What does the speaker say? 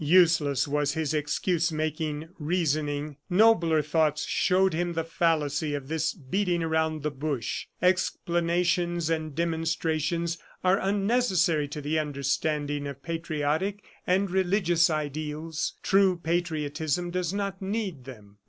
Useless was his excuse making reasoning. Nobler thoughts showed him the fallacy of this beating around the bush. Explanations and demonstrations are unnecessary to the understanding of patriotic and religious ideals; true patriotism does not need them.